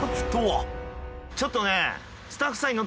ちょっとね狩野）